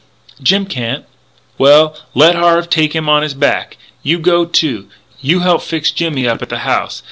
"Jim can't " "Well, let Harve take him on his back. You go too. You help fix Jimmy up at the house.